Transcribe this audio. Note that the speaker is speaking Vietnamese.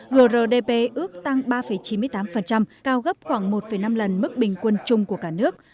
grdp ước tăng ba chín mươi tám cao gấp khoảng một năm lần mức bình quân chung của cả nước